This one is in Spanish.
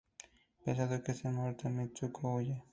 Pensando que está muerta, Mitsuko huye.